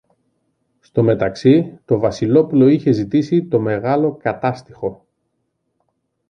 στο μεταξύ το Βασιλόπουλο είχε ζητήσει το μεγάλο Κατάστιχο